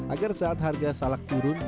agar saat harga salak turun